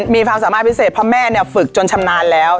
มีความสามารถพิเศษเพราะแม่ฝึกจนชำนาญแล้ว